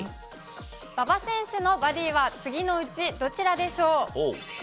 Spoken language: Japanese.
馬場選手のバディは次のうちどちらでしょう？